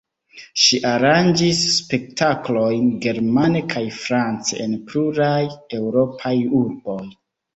Ŝi aranĝis spektaklojn germane kaj france en pluraj eŭropaj urboj.